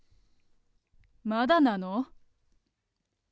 まだなの？